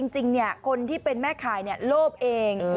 จริงคนที่เป็นแม่ขายโลภเอง